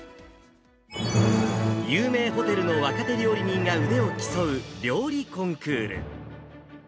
有名ホテルの若手料理人が腕を競う、料理コンクール。